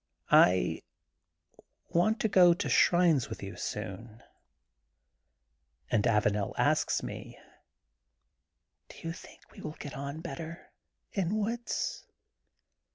I want to go to shrines with you soon.'' And Avanel asks me: Do you think we will get on better in woods